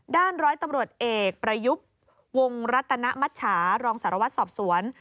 ร้อยตำรวจเอกประยุบวงรัตนมัชชารองสารวัตรสอบสวน